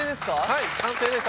はい完成です。